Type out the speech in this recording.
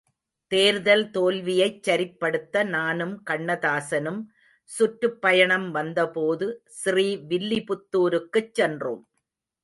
தேர்தல் தோல்வியைச் சரிப்படுத்த நானும் கண்ணதாசனும் சுற்றுப் பயணம் வந்தபோது ஸ்ரீவில்லிபுத்துருக்குச் சென்றோம்.